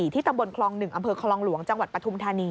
ตำบลคลอง๑อำเภอคลองหลวงจังหวัดปฐุมธานี